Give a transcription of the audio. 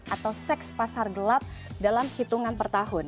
atau seks pasar gelap dalam hitungan per tahun